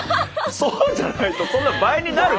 そうじゃないとそんな倍になる？